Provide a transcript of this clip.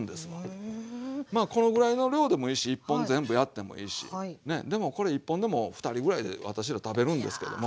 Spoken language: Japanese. まあこのぐらいの量でもいいし１本全部やってもいいしねでもこれ１本でも２人ぐらいで私ら食べるんですけども。